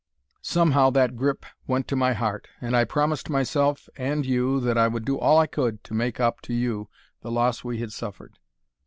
Somehow, that grip went to my heart, and I promised myself and you that I would do all I could to make up to you the loss we had suffered.